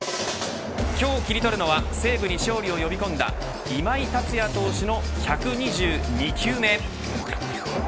今日、切り取るのは西武に勝利を呼び込んだ今井達也投手の１２２球目。